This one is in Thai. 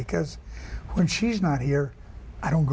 คุณขอพร้อมให้นะคะ